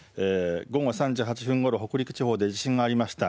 午後３時８分ごろ北陸地方で地震がありました。